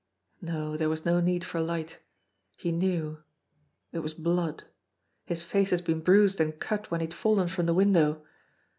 No, there was no need for light. He knew ! It was blood. His face had been bruised and cut when he had fallen from the window.